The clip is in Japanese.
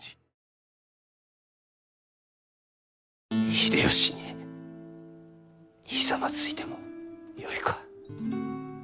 秀吉にひざまずいてもよいか？